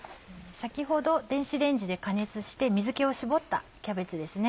先ほど電子レンジで加熱して水気を絞ったキャベツです。